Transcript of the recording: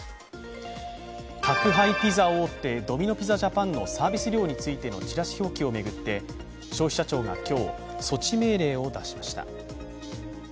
宅配ピザ大手ドミノ・ピザジャパンのサービス料についてのチラシ表記を巡って消費者庁が今日、措置命令を出しました。